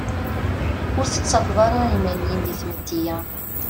Ur tettafeḍ ara iman-im di tmetti-a.